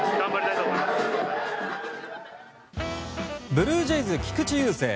ブルージェイズ菊池雄星。